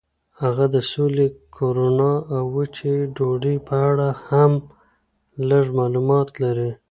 هغه د سولې، کرونا او وچې ډوډۍ په اړه هم لږ معلومات لري.